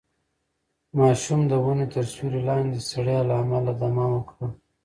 ماشوم د ونې تر سیوري لاندې د ستړیا له امله دمه وکړه.